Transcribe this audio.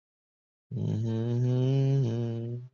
其余歌手以姓氏开头字母排列。